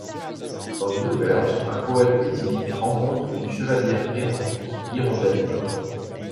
Dans une auberge, un poète éthylique rencontre une chevalière errante, Hirondelle d'or.